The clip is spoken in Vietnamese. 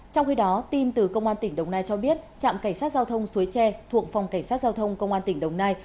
trong khi đó tin từ công an tỉnh đồng nai cho biết trạm cảnh sát giao thông suối tre thuộc phòng cảnh sát giao thông công an tỉnh đồng nai